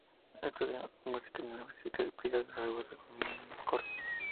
Estudió música en la Basílica del Pilar de Zaragoza como niño del coro.